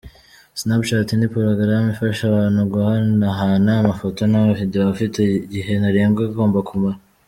Snapchat ni porogaramu ifasha abantu guhanahana amafoto n’amavidewo, afite igihe ntarengwa agomba kumara.